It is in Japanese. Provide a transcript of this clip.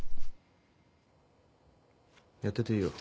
やってていいよ。